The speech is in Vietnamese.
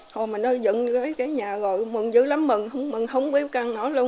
hồi mà nó dẫn tới cái nhà rồi mừng dữ lắm mừng không biết con nó luôn đó